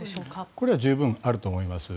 これは十分あると思います。